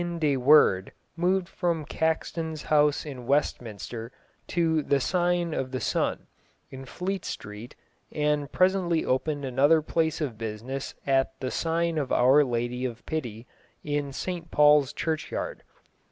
_)] In 1500 Wynkyn de Worde moved from Caxton's house in Westminster to the Sign of the Sun, in Fleet Street, and presently opened another place of business at the Sign of Our Lady of Pity, in St Paul's Churchyard.